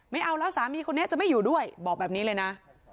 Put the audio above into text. ไม่เอาแล้วสามีคนนี้จะไม่อยู่ด้วยบอกแบบนี้เลยนะ